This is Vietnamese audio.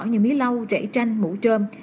như mía lâu rễ tranh mũ trơm